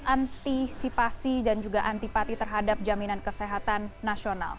antisipasi dan juga antipati terhadap jaminan kesehatan nasional